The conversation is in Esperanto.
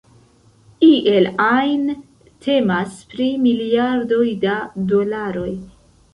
Iel ajn temas pri miliardoj da dolaroj.